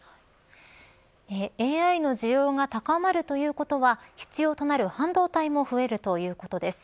ＡＩの需要が高まるということは必要となる半導体も増えるということです。